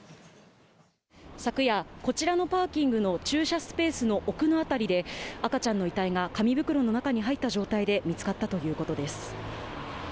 昨夜、こちらのパーキングの駐車スペースの奥のあたりで、赤ちゃんの遺体が紙袋の中に入った状態で見つかったということです。